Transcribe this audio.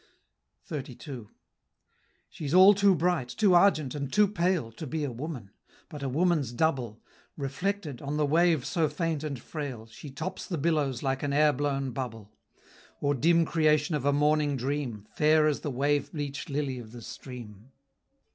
XXXII. She's all too bright, too argent, and too pale, To be a woman; but a woman's double, Reflected, on the wave so faint and frail, She tops the billows like an air blown bubble; Or dim creation of a morning dream, Fair as the wave bleached lily of the stream.